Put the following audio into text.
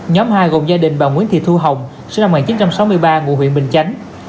nhóm hai gồm gia đình bà nguyễn thị thu hồng sinh năm một nghìn chín trăm sáu mươi ba ngụ huyện bình chánh